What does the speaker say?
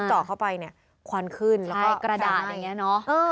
พอเจาะเข้าไปควันขึ้นแล้วก็แฟนใช่กระดาษอย่างนี้เนอะ